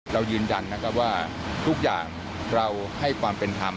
เรายืนยันนะครับว่าทุกอย่างเราให้ความเป็นธรรม